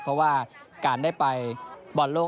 เพราะว่าการได้ไปบอลโลก